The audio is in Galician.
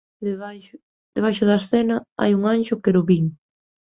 Debaixo da escena hai un anxo querubín.